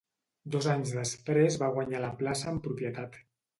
Dos anys després va guanyar la plaça en propietat.